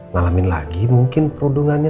ngalamin lagi mungkin perundungannya